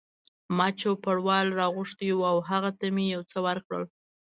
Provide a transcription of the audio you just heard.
ما چوپړوال را غوښتی و او هغه ته مې یو څه ورکړل.